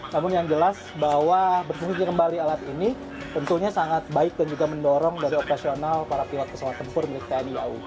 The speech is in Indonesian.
namun yang jelas bahwa berfungsi kembali alat ini tentunya sangat baik dan juga mendorong dari operasional para pilot pesawat tempur milik tni au